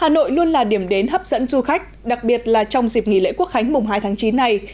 hà nội luôn là điểm đến hấp dẫn du khách đặc biệt là trong dịp nghỉ lễ quốc khánh mùng hai tháng chín này